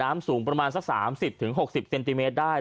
สูงประมาณสัก๓๐๖๐เซนติเมตรได้